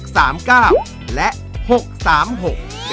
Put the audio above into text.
สวัสดีครับ